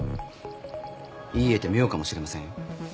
言い得て妙かもしれませんよ。